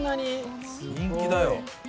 人気だよ。